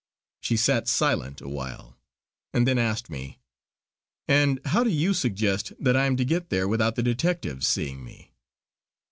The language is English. She sat silent a while and then asked me: "And how do you suggest that I am to get there without the detectives seeing me?"